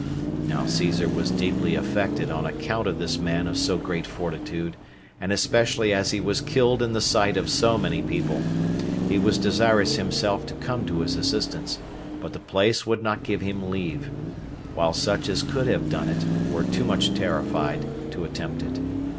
Now Caesar was deeply affected on account of this man of so great fortitude, and especially as he was killed in the sight of so many people; he was desirous himself to come to his assistance, but the place would not give him leave, while such as could have done it were too much terrified to attempt it.